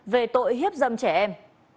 về tội hiếp dâm trẻ em